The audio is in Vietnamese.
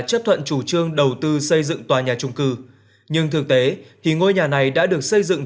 chấp thuận chủ trương đầu tư xây dựng tòa nhà trung cư nhưng thực tế thì ngôi nhà này đã được xây dựng